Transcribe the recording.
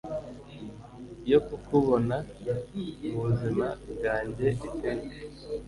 yo kukubona mu buzima bwanjye.iteka